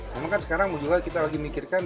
memang kan sekarang juga kita lagi mikirkan